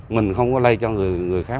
mình không có lây cho người khác